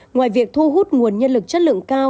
ngoài việc thu hút nguồn nhân lực chất lượng cao